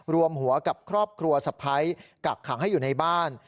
รวมหัวกับครอบครัวสะพ้ายกักขังให้อยู่ในบ้าน